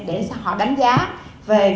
để họ đánh giá về những